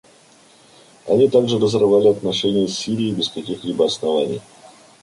Они также разорвали отношения с Сирией без каких-либо оснований.